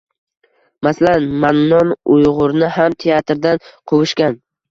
Masalan, Mannon Uyg‘urni ham teatrdan quvishgan.